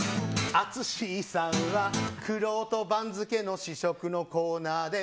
淳さんはくろうと番付の試食のコーナーで。